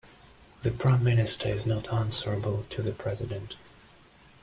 The Prime Minister is not answerable to the President.